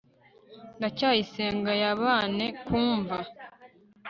ndacyayisenga yabane kumva